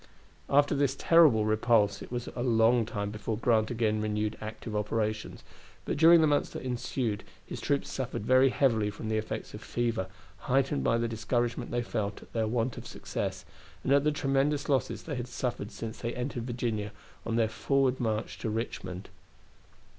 After this terrible repulse it was a long time before Grant again renewed active operations, but during the months that ensued his troops suffered very heavily from the effects of fever, heightened by the discouragement they felt at their want of success, and at the tremendous losses they had suffered since they entered Virginia on their forward march to Richmond.